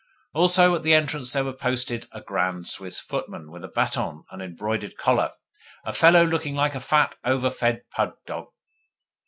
Also, at the entrance there was posted a grand Swiss footman with a baton and an embroidered collar a fellow looking like a fat, over fed pug dog.